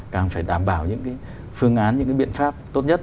càng phải đảm bảo những cái phương án những cái biện pháp tốt nhất